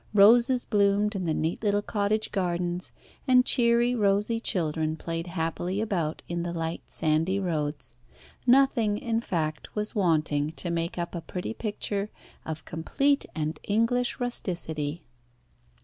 Roses bloomed in the neat little cottage gardens, and cheery, rosy children played happily about in the light sandy roads. Nothing, in fact, was wanting to make up a pretty picture of complete and English rusticity.